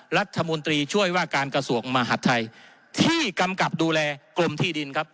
รัฐมนตรีช่วยว่าการกระทรวงมหาดไทยที่กำกับดูแลกรมที่ดินครับ